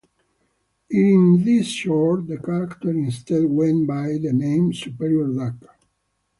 In this short, the character instead went by the name Superior Duck.